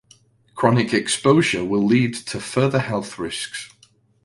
Chronic exposure will lead to further health risks.